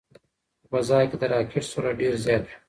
په فضا کې د راکټ سرعت ډېر زیات وي.